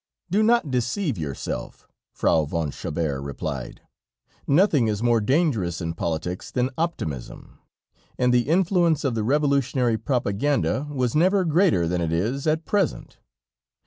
"Do not deceive yourself," Frau von Chabert replied; "nothing is more dangerous in politics than optimism, and the influence of the revolutionary propaganda was never greater than it is at present.